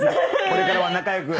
これからは仲良く。